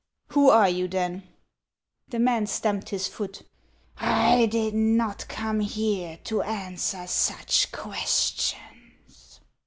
1391 " Who are you, then ?" The man stamped his foot. " I did not come here to answer such questions."